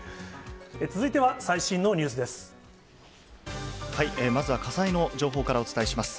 続いては、最新のニュースでまずは火災の情報から、お伝えします。